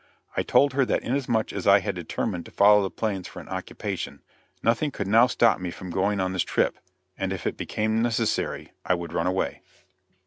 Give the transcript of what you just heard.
I told her that inasmuch as I had determined to follow the plains for an occupation, nothing could now stop me from going on this trip, and if it became necessary I would run away.